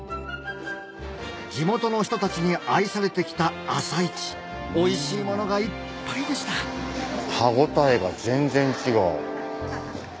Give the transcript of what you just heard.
地元の人たちに愛されてきた朝市おいしいものがいっぱいでした歯応えが全然違う。